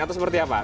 atau seperti apa